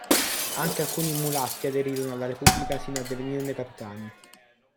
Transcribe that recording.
Anche alcuni mulatti aderirono alla repubblica sino a divenirne capitani.